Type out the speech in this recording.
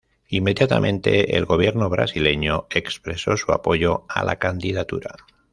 Inmediatamente, el gobierno brasileño expresó su apoyo a la candidatura.